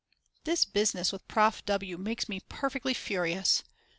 This business with Prof. W. makes me perfectly furious.